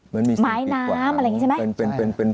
มันมีสิ่งอีกกว่าครับไม้น้ำอะไรอย่างนี้ใช่ไหม